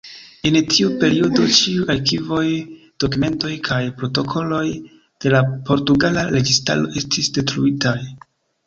En tiu periodo, ĉiuj arkivoj, dokumentoj kaj protokoloj de la portugala registaro estis detruitaj.